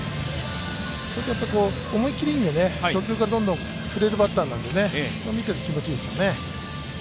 それと思い切りがいいので初球からどんどん触れるバッターなので見ていて気持ちがいいですね。